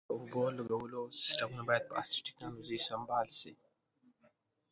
د اوبو لګولو سیستمونه باید په عصري ټکنالوژۍ سنبال شي.